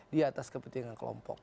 di atas kepentingan kelompok